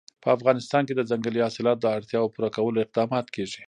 په افغانستان کې د ځنګلي حاصلاتو د اړتیاوو پوره کولو اقدامات کېږي.